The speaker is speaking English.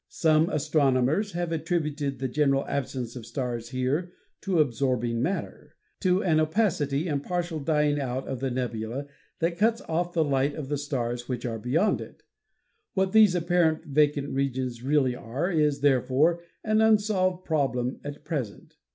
Some astronomers have attributed the general INTRODUCTION xv absence of stars here to absorbing matter — to an opacity and partial dying out of the nebula that cuts off the light of the stars which are beyond it. What these apparent vacant regions really are is, therefore, an unsolved prob lem at present.